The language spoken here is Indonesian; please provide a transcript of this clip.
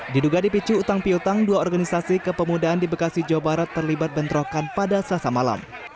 diduga dipicu utang piutang dua organisasi kepemudaan di bekasi jawa barat terlibat bentrokan pada selasa malam